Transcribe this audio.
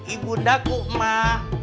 ibu daku emah